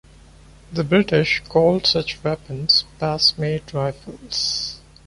The British called such weapons "Pass-made rifles".